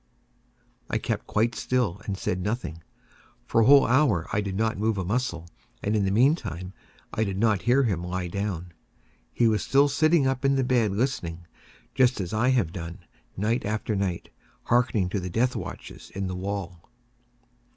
I kept quite still and said nothing. For a whole hour I did not move a muscle, and in the meantime I did not hear him lie down. He was still sitting up in the bed listening;—just as I have done, night after night, hearkening to the death watches in the wall.